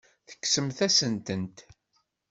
Tekksem-asent-tent.